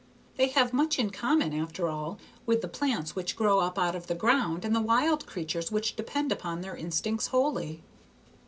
They have much in common, after all, with the plants which grow up out of the ground and the wild creatures which depend upon their instincts wholly."